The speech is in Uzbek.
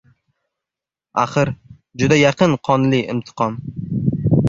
Axir, juda yaqin qonli intiqom